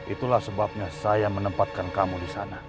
itulah sebabnya saya menempatkan kamu di sana